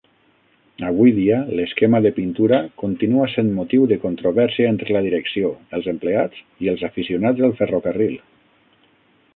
Avui dia, l'esquema de pintura continua sent motiu de controvèrsia entre la direcció, els empleats i els aficionats al ferrocarril.